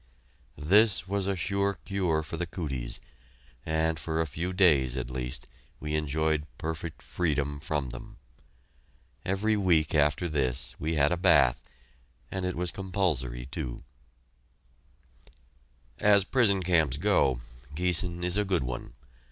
This was a sure cure for the "cooties," and for a few days, at least, we enjoyed perfect freedom from them. Every week after this we had a bath, and it was compulsory, too. [Illustration: Giessen Prison Camp] As prison camps go, Giessen is a good one.